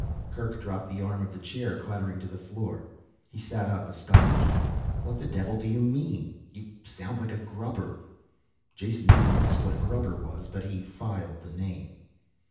Kerk dropped the arm of the chair clattering to the floor. He sat up, astonished. "What the devil do you mean? You sound like a grubber." Jason didn't ask what a grubber was but he filed the name.